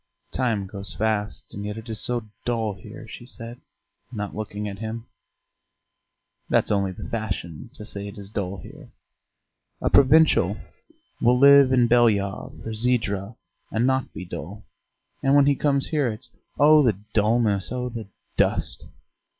"Time goes fast, and yet it is so dull here!" she said, not looking at him. "That's only the fashion to say it is dull here. A provincial will live in Belyov or Zhidra and not be dull, and when he comes here it's 'Oh, the dulness! Oh, the dust!'